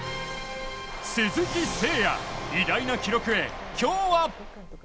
鈴木誠也、偉大な記録へ今日は。